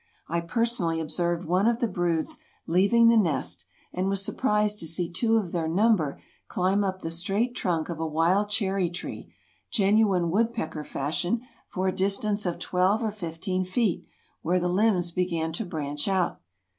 I personally observed one of the broods leaving the nest and was surprised to see two of their number climb up the straight trunk of a wild cherry tree—genuine woodpecker fashion—for a distance of twelve or fifteen feet, where the limbs began to branch out.